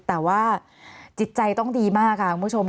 แต่ว่าจิตใจต้องดีมากค่ะคุณผู้ชม